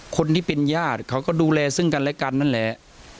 คนที่เป็นญาติเขาก็ดูแลซึ่งกันและกันนั่นแหละ